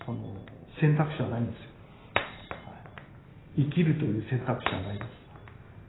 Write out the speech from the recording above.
生きるという選択肢はないんです。